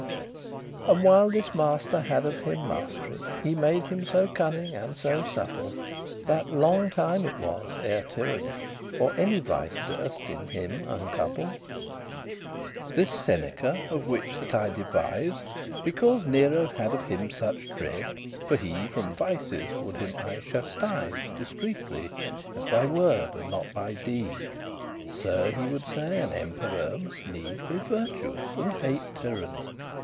*unless And while this master had of him mast'ry, He made him so conning and so souple,* *subtle That longe time it was ere tyranny, Or any vice, durst in him uncouple.* *be let loose This Seneca, of which that I devise,* *tell Because Nero had of him suche dread, For he from vices would him aye chastise Discreetly, as by word, and not by deed; "Sir," he would say, "an emperor must need Be virtuous, and hate tyranny."